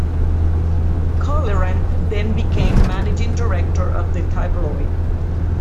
Colleran then became Managing Director of the tabloid.